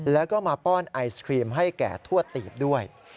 แล้วก็มาป้อนไอศครีมให้แก่ทั่วตีบด้วย